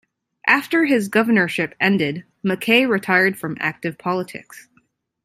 After his governorship ended, MacKay retired from active politics.